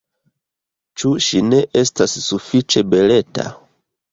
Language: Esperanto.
Ĉu ŝi ne estas sufiĉe beleta?